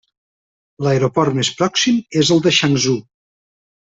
L'aeroport més pròxim és el de Changzhou.